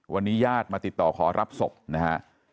วันนี้ญาติมาติดต่อขอรับศพนะฮะ